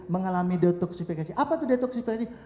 mengalami detoksifikasi apa itu detoksifikasi